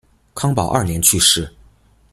康保二年去世。